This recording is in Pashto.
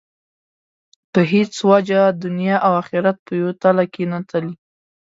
په هېڅ وجه دنیا او آخرت په یوه تله کې نه تلي.